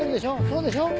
そうでしょう？